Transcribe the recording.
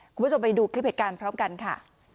คุณผู้ชมไปดูคลิปเหตุการณ์พร้อมกันค่ะ